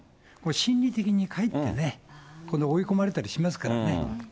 心理的にかえってね、追い込まれたりしますからね。